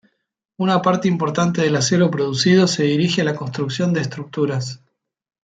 Una parte importante del acero producido se dirige a la construcción de estructuras.